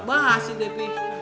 wah asyik deh pi